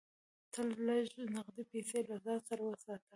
تل لږ نغدې پیسې له ځان سره وساته.